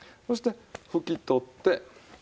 そして拭き取って。